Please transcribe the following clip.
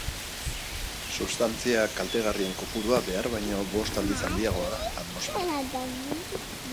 Substantzia kaltegarrien kopurua behar baino bost aldiz handiagoa da atmosferan.